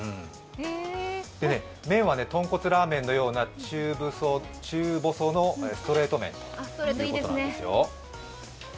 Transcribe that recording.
麺はとんこつラーメンの中細のストレート麺ということなんですよ。